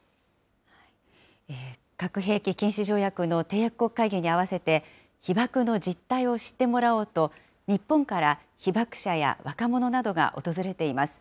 核兵器禁止条約の締約国会議に合わせて、被爆の実態を知ってもらおうと、日本から被爆者や若者などが訪れています。